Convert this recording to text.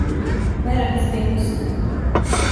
Мере безбедности.